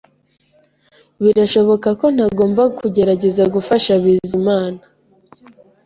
Birashoboka ko ntagomba kugerageza gufasha Bizimana